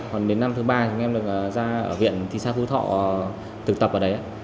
còn đến năm thứ ba chúng em được ra ở huyện thị xã phú thọ thực tập ở đấy